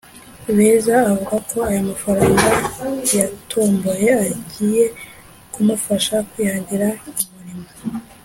Beza avuga ko aya mafaranga yatomboye agiye kumufasha kwihangira umurimo